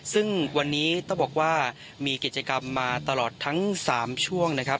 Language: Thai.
ซึ่งวันนี้ต้องบอกว่ามีกิจกรรมมาตลอดทั้ง๓ช่วงนะครับ